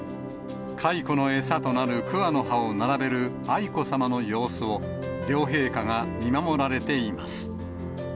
蚕の餌となる桑の葉を並べる愛子さまの様子を、両陛下が見守られています。